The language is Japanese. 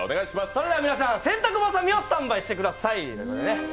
それでは皆さん洗濯ばさみを用意してください。